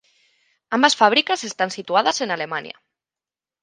Ambas fábricas están situadas en Alemania.